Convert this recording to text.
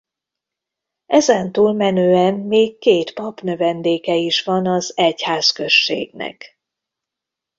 Ezen túlmenően még két papnövendéke is van az egyházközségnek.